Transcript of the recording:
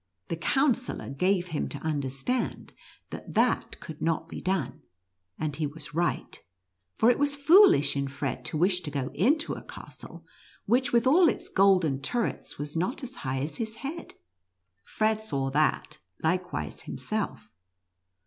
The Counsellor gave him to understand that that could not be done. And he was right, for it was foolish in Fred to wish to go into a castle, NUTCRACKER AND MOUSE KING. 15 which with, all its golden turrets was not as high. as his head. Fred saw that likewise himself.